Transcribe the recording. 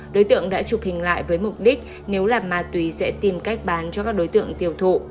đối tượng đã chụp hình lại với mục đích nếu là ma túy sẽ tìm cách bán cho các đối tượng tiêu thụ